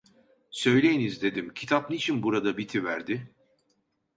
"Söyleyiniz" dedim, "kitap niçin burada bitiverdi?"